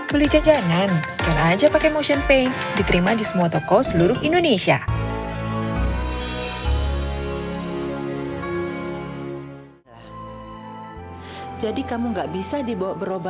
beli jajanan scan aja pakai motion pay diterima di semua toko seluruh indonesia